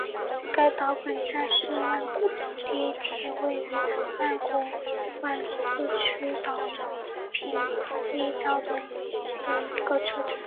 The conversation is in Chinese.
岛本站是曼谷地铁位于曼谷挽赐区岛本立交的一个车站。